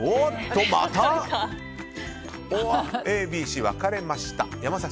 Ａ、Ｂ、Ｃと分かれました。